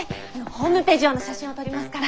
ホームページ用の写真を撮りますから。